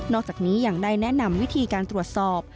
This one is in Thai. อกจากนี้ยังได้แนะนำวิธีการตรวจสอบ